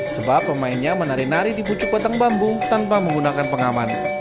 sebab pemainnya menari nari di pucuk batang bambu tanpa menggunakan pengaman